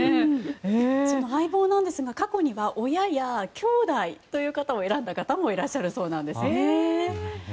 その相棒なんですが過去には親やきょうだいを選んだ方もいらっしゃるそうなんですよね。